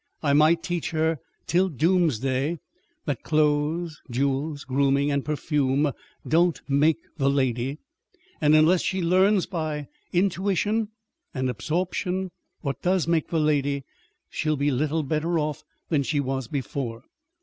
"I might teach her till doomsday that clothes, jewels, grooming, and perfume don't make the lady; and unless she learns by intuition and absorption what does make the lady, she'll be little better off than she was before.